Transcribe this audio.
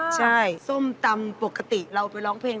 ใช่ส้มตำปกติเราไปร้องเพลง